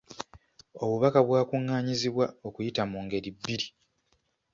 Obubaka bwakungaanyizibwa okuyita mu ngeri bbiri.